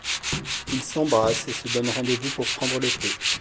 Ils s'embrassent et se donnent rendez-vous pour prendre le thé.